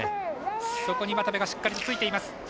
そこに渡部がしっかりついています。